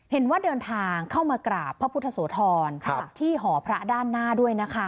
เห็นว่าเดินทางเข้ามากราบพระพุทธโสธรที่หอพระด้านหน้าด้วยนะคะ